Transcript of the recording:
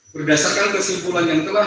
berdasarkan kesimpulan yang telah